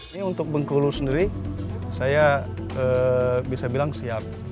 ini untuk bengkulu sendiri saya bisa bilang siap